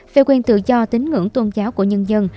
về quyền tự do tín ngưỡng tôn giáo của nhân dân